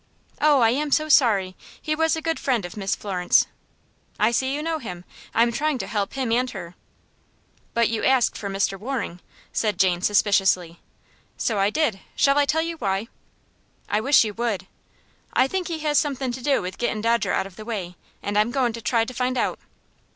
"Oh, I am so sorry! He was a good friend of Miss Florence." "I see you know him. I am trying to help him and her." "But you asked for Mr. Waring?" said Jane, suspiciously. "So I did. Shall I tell you why?" "I wish you would." "I think he has something to do with gettin' Dodger out of the way, and I'm goin' to try to find out."